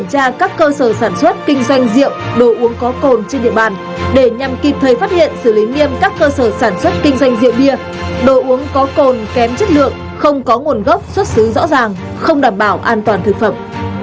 một nội dung liên quan đến công tác kinh doanh rượu bia đồ uống có cồn không rõ nguồn gốc cũng sẽ đến trong cuộc tin sau đây